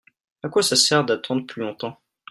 A quoi ça sert d'attendre plus longtemps ?